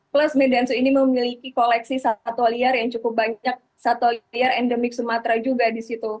plus midansu ini memiliki koleksi satwa liar yang cukup banyak satwa liar endemik sumatera juga di situ